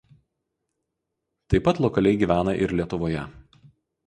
Taip pat lokaliai gyvena ir Lietuvoje.